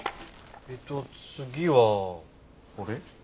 えっと次はこれ？